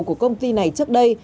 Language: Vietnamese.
của công ty này trước đây